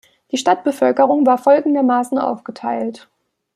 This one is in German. Die Stadtbevölkerung war folgendermaßen aufgeteilt.